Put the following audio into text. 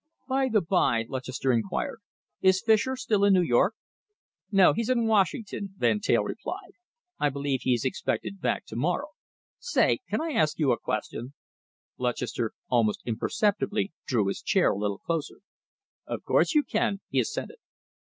"By the bye," Lutchester inquired, "is Fischer still in New York?" "No, he's in Washington," Van Teyl replied. "I believe he's expected back to morrow.... Say, can I ask you a question?" Lutchester almost imperceptibly drew his chair a little closer. "Of course you can," he assented.